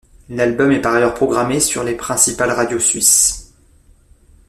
L'album est par ailleurs programmé sur les principales radios suisses.